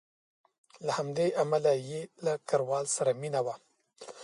له همدې امله یې له کراول سره مینه وه.